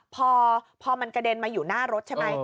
พอมันกระเด็นมาอยู่หน้ารถใช่ไหม